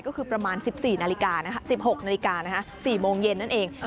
ก็คือประมาณ๑๔นาฬิกา๑๖นาฬิกา๔โมงเย็นนั่นเอง